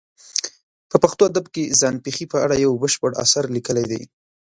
په پښتو ادب کې ځان پېښې په اړه یو بشپړ اثر لیکلی دی.